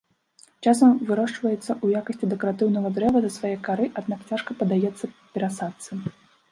Часам вырошчваецца ў якасці дэкаратыўнага дрэва з-за сваёй кары, аднак цяжка паддаецца перасадцы.